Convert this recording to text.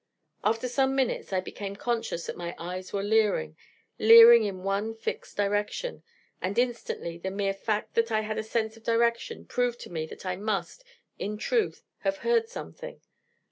After some minutes I became conscious that my eyes were leering leering in one fixed direction: and instantly, the mere fact that I had a sense of direction proved to me that I must, in truth, have heard something!